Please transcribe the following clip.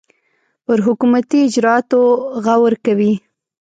پر حکومتي اجرآتو غور کوي.